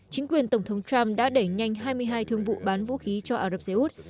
chính quyền tổng thống trump đã đẩy nhanh hai mươi hai thương vụ bán vũ khí cho arab seoul